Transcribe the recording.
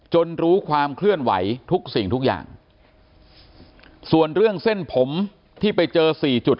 รู้ความเคลื่อนไหวทุกสิ่งทุกอย่างส่วนเรื่องเส้นผมที่ไปเจอสี่จุด